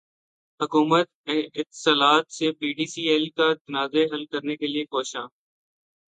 حکومت اتصالات سے P T C L کا تنازع حل کرنے کیلئے کوشاں